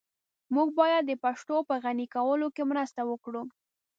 موږ بايد د پښتو په غني کولو کي مرسته وکړو.